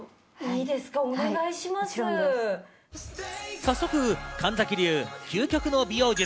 早速、神崎流、究極の美容術。